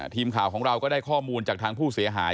ทีมข่าวของเราก็ได้ข้อมูลจากทางผู้เสียหาย